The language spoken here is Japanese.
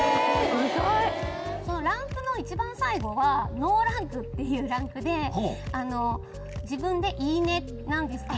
ランクの一番最後はノーランクっていうランクで自分で言い値なんですね。